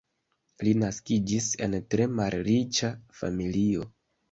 Li naskiĝis en tre malriĉa familio.